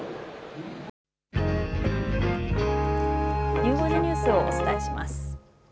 ゆう５時ニュースをお伝えします。